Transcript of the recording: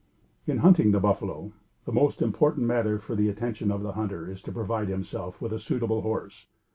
In hunting buffalo the most important matter for the attention of the hunter is to provide himself with a suitable horse.